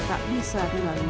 tak bisa dilalui